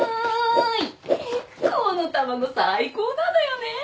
この卵最高なのよね！